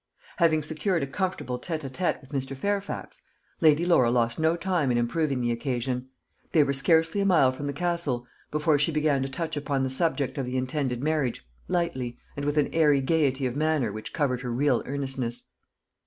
Having secured a comfortable tête à tête with Mr. Fairfax, Lady Laura lost no time in improving the occasion. They were scarcely a mile from the Castle before she began to touch upon the subject of the intended marriage, lightly, and with an airy gaiety of manner which covered her real earnestness.